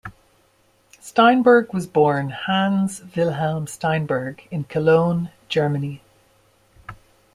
Steinberg was born Hans Wilhelm Steinberg in Cologne, Germany.